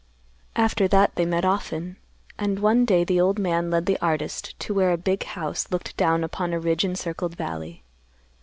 After that they met often, and one day the old man led the artist to where a big house looked down upon a ridge encircled valley.